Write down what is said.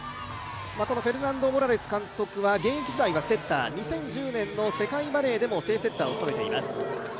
このフェルナンド・モラレス監督は現役時代はセッター２０１０年の世界バレーでも正セッターを務めています。